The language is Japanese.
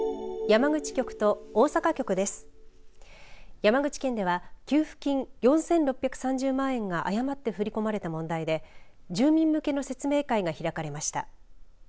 山口県では、給付金４６３０万円が誤って振り込まれた問題で住民向けの説明会が開かれました。